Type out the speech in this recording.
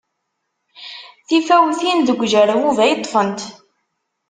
Tifawtin deg ujerbub ay ṭṭfent.